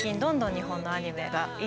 日本のアニメはね。